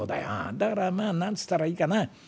だからまあ何つったらいいかな。